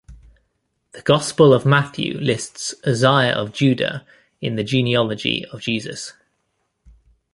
The Gospel of Matthew lists Uzziah of Judah in the genealogy of Jesus.